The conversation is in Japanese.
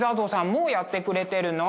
もうやってくれてるの？